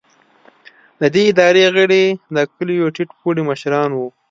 د دې ادارې غړي د کلیو ټیټ پوړي مشران وو.